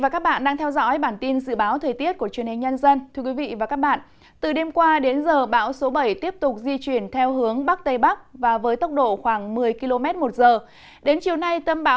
các bạn hãy đăng ký kênh để ủng hộ kênh của chúng mình nhé